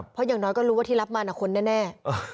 เพราะอย่างน้อยก็รู้ว่าที่รับมันคนแน่